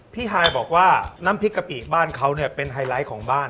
ฮายบอกว่าน้ำพริกกะปิบ้านเขาเนี่ยเป็นไฮไลท์ของบ้าน